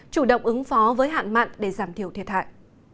chủ động ứng phó với hạn mặn để giảm thiểu thiệt hại